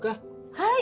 はい。